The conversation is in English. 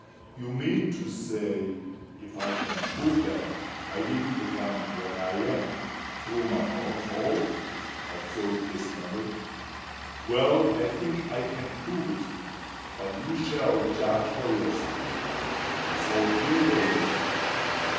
"You mean to say, if I can prove that I didn't become what I am through my own fault?" observed the Snammer. "Well—I think I can prove it. But you shall judge for yourselves. So, here goes."